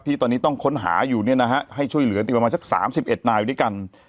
ที่ตอนนี้ต้องค้นหาอยู่เนี่ยนะฮะให้ช่วยเหลืออีกประมาณสักสามสิบเอ็ดนายอยู่ด้วยกัน